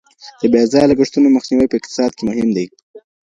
د بې ځایه لګښتونو مخنیوی په اقتصاد کي مهم دی.